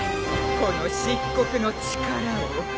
この漆黒の力を。